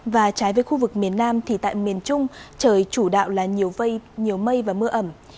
và trái với khu vực miền nam thì tại miền trung trời chủ đạo là nhiều mây nhiều mây và mưa ẩm